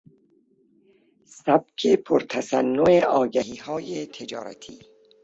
سبک پر تصنع آگهیهای تجارتی